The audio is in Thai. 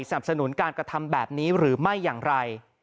สนับสนุนการกระทำแบบนี้หรือไม่อย่างไร